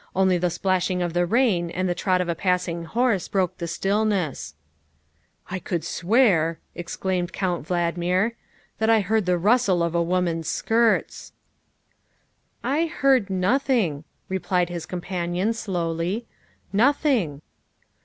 Only the splashing of the rain and the trot of a passing horse broke the stillness. " I could swear," exclaimed Count Valdmir, " that I heard the rustle of a woman 's skirts. '' THE SECRETARY OF STATE 93 " I heard nothing," returned his companion slowly "nothing."